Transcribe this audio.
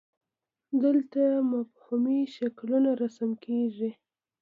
دلته مفهومي شکلونه رسم کیږي.